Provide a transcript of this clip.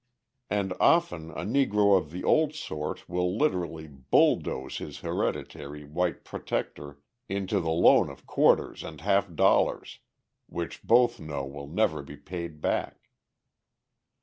And often a Negro of the old sort will literally bulldoze his hereditary white protector into the loan of quarters and half dollars, which both know will never be paid back.